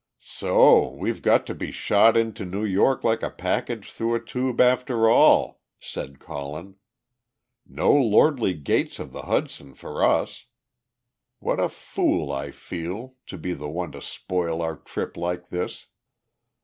"So we've got to be shot into New York like a package through a tube, after all!" said Colin. "No lordly gates of the Hudson for us! What a fool I feel, to be the one to spoil our trip like this!"